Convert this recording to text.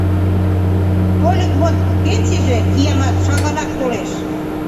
Тольык вот... пенсийже, киямат, шагалрак толеш.